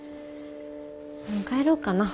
もう帰ろうかな。